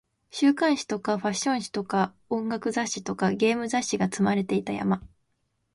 週刊誌とかファッション誌とか音楽雑誌とかゲーム雑誌が積まれていた山